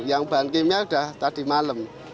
yang bahan kimia sudah tadi malam